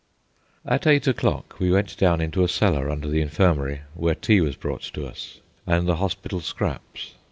At eight o'clock we went down into a cellar under the infirmary, where tea was brought to us, and the hospital scraps.